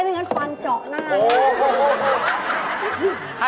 ไม่งั้นควารเจาะ